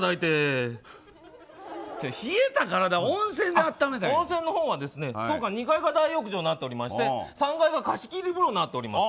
冷えた体は温泉のほうはですね当館、２階が大浴場になっておりまして３階が貸切風呂になっております。